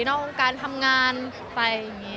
นอกวงการทำงานไปอย่างนี้